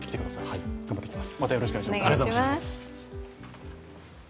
はい、頑張ってきます。